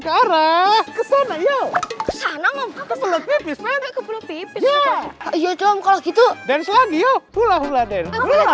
ke sana ke sana ke sana ke sana ya ayo coba gitu dan selagi yuk hula hula dan